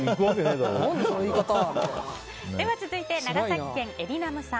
では続いて、長崎県の方。